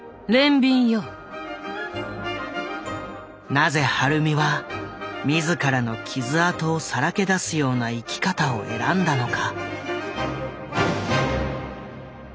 なぜ晴美は自らの傷痕をさらけ出すような生き方を選んだのか。